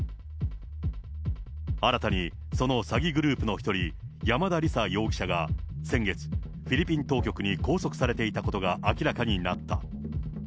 新たにその詐欺グループの一人、山田李沙容疑者が先月、フィリピン当局の拘束されていたことが明らかになった。